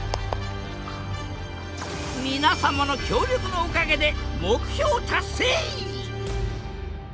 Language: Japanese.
皆様の協力のおかげで目標達成！